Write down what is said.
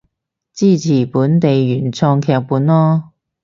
支持本地原創劇本囉